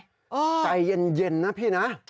ใจเย็นนะพี่นะ